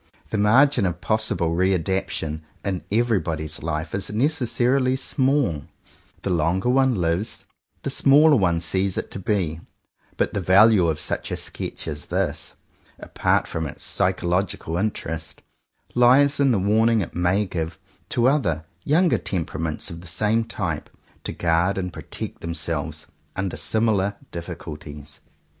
The margin of possible re adaption in every body's life is necessarily small; the longer one lives, the smaller one sees it to be; but the value of such a sketch as this, apart from its psychological interest, lies in the warning it may give, to other, younger temperaments of the same type, to guard and protect themselves under similar dif ficulties.